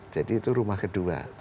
jadi itu rumah kedua